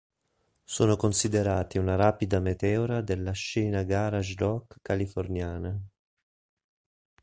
Sono considerati una "rapida meteora della scena garage rock californiana".